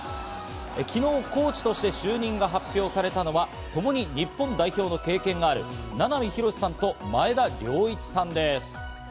昨日、コーチとして就任が発表されたのは、ともに元日本代表の経験がある名波浩さんと前田遼一さんです。